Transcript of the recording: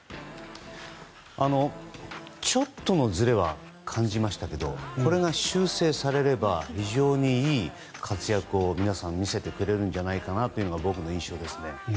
ちょっとのずれは感じましたけどこれが修正されれば非常にいい活躍を皆さん、見せてくれるのではというのが僕の印象ですね。